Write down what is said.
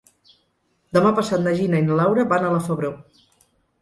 Demà passat na Gina i na Laura van a la Febró.